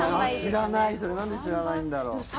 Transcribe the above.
知らないそれなんで知らないんだろう。